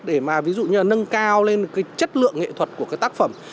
để mà ví dụ như là nâng cao lên cái chất lượng nghệ thuật của cái tác phẩm